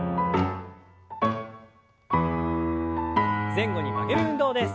前後に曲げる運動です。